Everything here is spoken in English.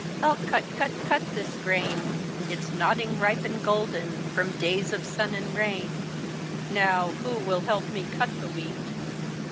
rU cut, cut, cut this grain; It's nodding ripe and golden. From days of sun and rain. Now who will help me cut the wheat?"